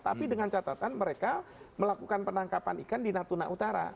tapi dengan catatan mereka melakukan penangkapan ikan di natuna utara